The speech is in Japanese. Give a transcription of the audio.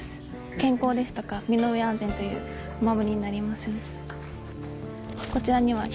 健康ですとか、身の上安全というお守りになります。